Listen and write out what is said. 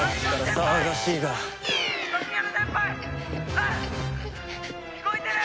あっ聞こえてる！？